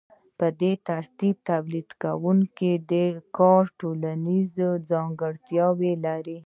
په دې ترتیب د تولیدونکي کار ټولنیزه ځانګړتیا لري